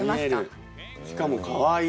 しかもかわいい。